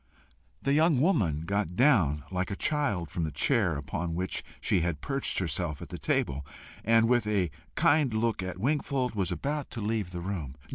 The young woman got down like a child from the chair upon which she had perched herself at the table, and with a kind look at Wingfold, was about to leave the room.